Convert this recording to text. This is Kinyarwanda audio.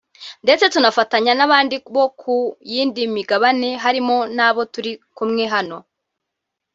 ndetse tunafatanya n’abandi bo ku yindi migabane harimo n’abo turi kumwe hano